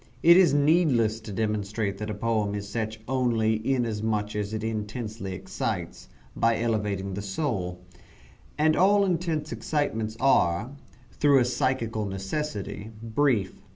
It is needless to demonstrate that a poem is such only inasmuch as it intensely excites, by elevating the soul; and all intense excitements are, through a psychal necessity, brief.